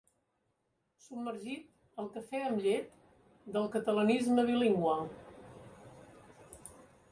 Submergit al cafè amb llet del catalanisme bilingüe.